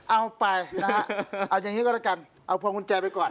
เอาไปนะฮะเอาอย่างนี้ก็แล้วกันเอาพวงกุญแจไปก่อน